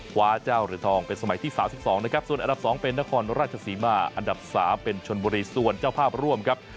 คว้าเจ้าเหรียญทองเป็นสมัยที่๓๒นะครับส่วนอันดับ๒เป็นนครราชศรีมาอันดับ๓เป็นชนบุรีส่วนเจ้าภาพร่วมครับ